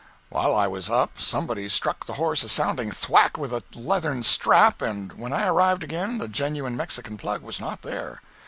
While I was up, somebody struck the horse a sounding thwack with a leathern strap, and when I arrived again the Genuine Mexican Plug was not there.